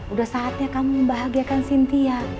udah saatnya kamu membahagiakan cynthia